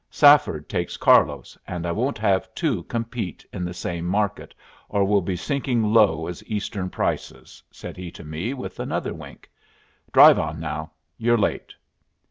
Safford takes Carlos, and I won't have two compete in the same market, or we'll be sinking low as Eastern prices," said he to me, with another wink. "Drive on now. You're late."